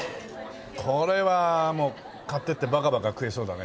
これはもう買っていってバカバカ食えそうだね。